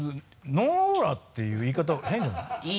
「ノーオーラ」っていう言い方変じゃない？